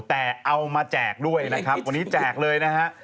แต่เอามาแจกด้วยนะครับวันนี้แจกเลยนะฮะ